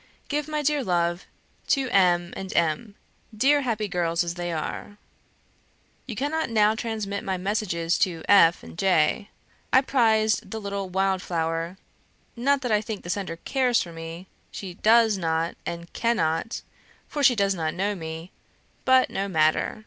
Give my dear love to M. and M., dear happy girls as they are. You cannot now transmit my message to F. and J. I prized the little wild flower, not that I think the sender cares for me; she DOES not, and CANNOT, for she does not know me; but no matter.